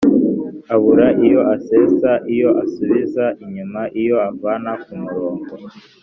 abura iyo asesa: iyo isubiza inyuma, iyo avana ku murongo